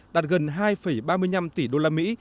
đạt gần hai ba mươi năm tỷ đô la mỹ